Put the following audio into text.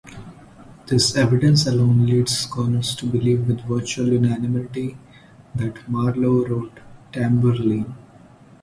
This evidence alone leads scholars to believe with virtual unanimity that Marlowe wrote "Tamburlaine".